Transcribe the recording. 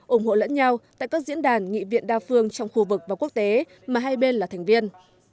ủng hộ lẫn nhau tại các diễn đàn nghị viện đa phương trong khu vực và quốc tế mà hai bên là thành viên